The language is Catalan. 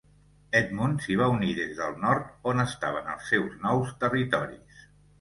Edmund s'hi va unir des del nord, on estaven els seus nous territoris.